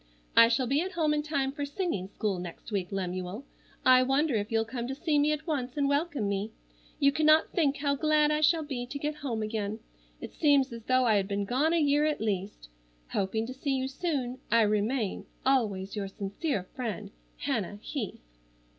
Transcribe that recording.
"I shall be at home in time for singing school next week, Lemuel. I wonder if you'll come to see me at once and welcome me. You cannot think how glad I shall be to get home again. It seems as though I had been gone a year at least. Hoping to see you soon, I remain "Always your sincere friend, "HANNAH HEATH."